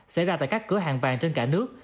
xảy ra tại các cửa hàng vàng trên cả nước